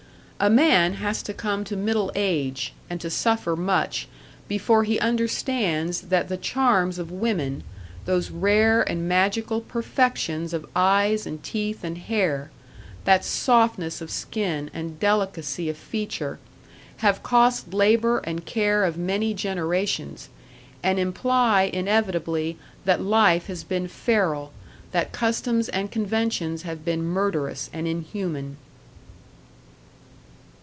A man has to come to middle age, and to suffer much, before he understands that the charms of women, those rare and magical perfections of eyes and teeth and hair, that softness of skin and delicacy of feature, have cost labour and care of many generations, and imply inevitably that life has been feral, that customs and conventions have been murderous and inhuman.